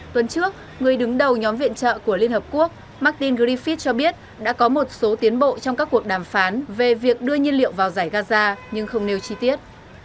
tuần trước người đứng đầu nhóm viện trợ của liên hợp quốc martin griffith cho biết đã có một số tiến bộ trong các cuộc đàm phán về việc đưa nhiên liệu vào giải gaza nhưng không nêu chi tiết